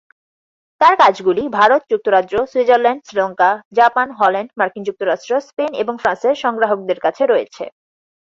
তাঁর কাজগুলি ভারত, যুক্তরাজ্য, সুইজারল্যান্ড, শ্রীলঙ্কা, জাপান, হল্যান্ড, মার্কিন যুক্তরাষ্ট্র, স্পেন এবং ফ্রান্সের সংগ্রাহকদের কাছে রয়েছে।